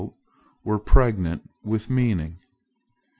were pregnant with meaning.